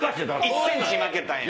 １ｃｍ負けたんや。